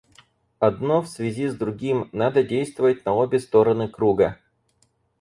Одно в связи с другим, надо действовать на обе стороны круга.